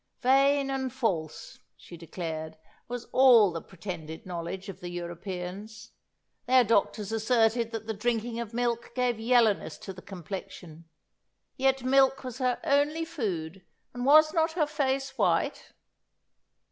"Vain and false," she declared, "was all the pretended knowledge of the Europeans. Their doctors asserted that the drinking of milk gave yellowness to the complexion; yet milk was her only food, and was not her face white?"